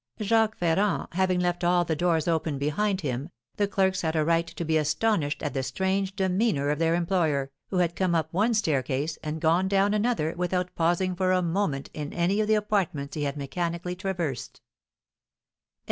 Jacques Ferrand having left all the doors open behind him, the clerks had a right to be astonished at the strange demeanour of their employer, who had come up one staircase and gone down another without pausing for a moment in any of the apartments he had mechanically traversed.